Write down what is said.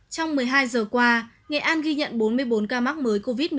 trong một mươi hai giờ qua nghệ an ghi nhận bốn mươi bốn ca mắc mới covid một mươi chín